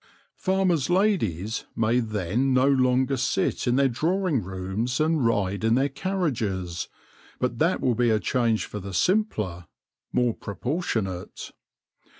Farmers' ladies may then no longer sit in their drawing rooms and ride in their carriages, but that will be a change for the simpler, more propor tionate.